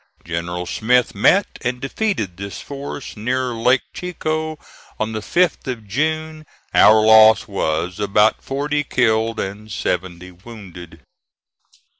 General Smith met and defeated this force near Lake Chicot on the 5th of June. Our loss was about forty killed and seventy wounded.